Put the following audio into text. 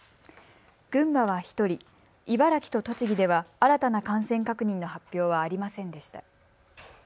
群馬は１人、茨城と栃木では新たな感染確認の発表はありませんでした。